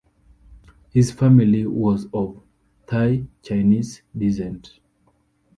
His family was of Thai-Chinese descent.